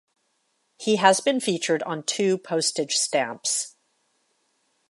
He has been featured on two postage stamps.